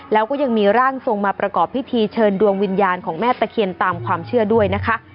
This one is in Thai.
แล้วก็ยังมีร่างทรงมาประกอบพิธีเชิญดวงวิญญาณของแม่ตะเคียนตามความเชื่อด้วยนะคะ